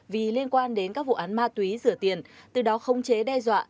vì liên quan đến các vụ án ma túy rửa tiền từ đó không chế đe dọa